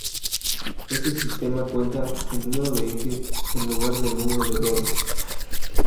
Este sistema cuenta el número de ejes en lugar del número de ruedas.